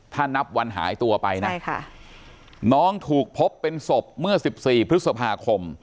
ถ้านับวันหายตัวไปนะใช่ค่ะน้องถูกพบเป็นศพเมื่อ๑๔พฤษภาคม